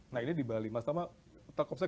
nah ini di bali mas tomba telkomsel